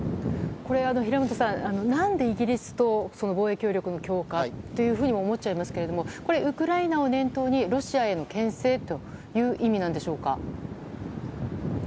これ、平本さん何でイギリスと防衛協力の強化なんだというふうに思っちゃいますけどウクライナを念頭にロシアへの牽制という意味なんでしょうか。